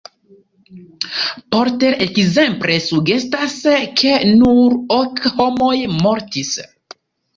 Porter ekzemple sugestas, ke nur ok homoj mortis.